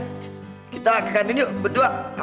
kita ke kantin yuk berdua aku kanan nih makan berdua sama kamu